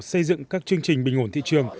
xây dựng các chương trình bình ổn thị trường